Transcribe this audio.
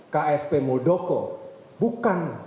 ksp muldoko bukan